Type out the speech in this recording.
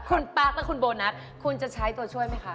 คุณปั๊กและคุณโบนัสคุณจะใช้ตัวช่วยไหมคะ